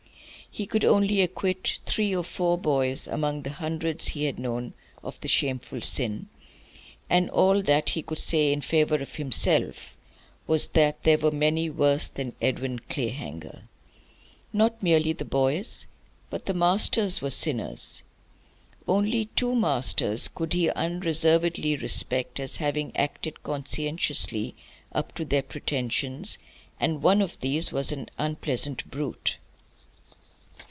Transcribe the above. He could only acquit three or four boys, among the hundreds he had known, of the shameful sin. And all that he could say in favour of himself was that there were many worse than Edwin Clayhanger. Not merely the boys, but the masters, were sinners. Only two masters could he unreservedly respect as having acted conscientiously up to their pretensions, and one of these was an unpleasant brute.